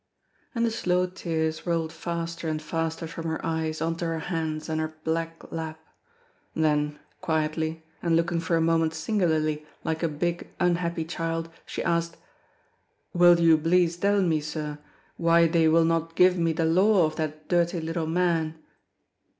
And the slow tears rolled faster and faster from her eyes on to her hands and her black lap. Then quietly, and looking for a moment singularly like a big, unhappy child, she asked: "Will you blease dell me, sir, why they will not give me the law of that dirty little man?"